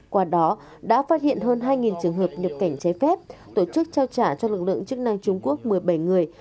qua đó đã phát hiện hơn hai trường hợp nhập cảnh trái phép tổ chức trao trả cho lực lượng chức năng trung quốc một mươi bảy người